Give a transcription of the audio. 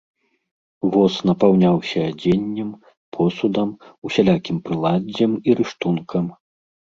Воз напаўняўся адзеннем, посудам, усялякім прыладдзем і рыштункам.